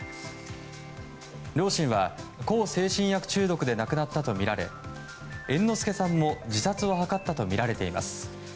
両親は向精神薬中毒で亡くなったとみられ猿之助さんも自殺を図ったとみられています。